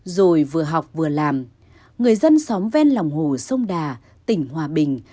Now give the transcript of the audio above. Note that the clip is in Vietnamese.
rồi vừa học vừa làm người dân xóm ven lòng hồ sông đà tỉnh hòa bình